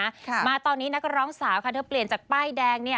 ค่ะมาตอนนี้นักร้องสาวค่ะเธอเปลี่ยนจากป้ายแดงเนี่ย